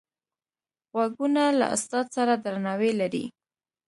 غوږونه له استاد سره درناوی لري